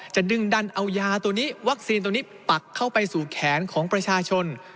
ดึงดันเอายาตัวนี้วัคซีนตัวนี้ปักเข้าไปสู่แขนของประชาชน